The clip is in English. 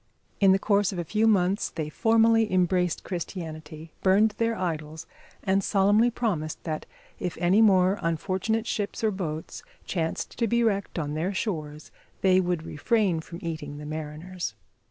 In the course of a few months they formally embraced Christianity, burned their idols, and solemnly promised that if any more unfortunate ships or boats chanced to be wrecked on their shores they would refrain from eating the mariners.